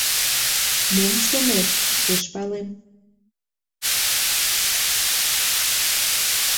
Мом шонет — пеш палем.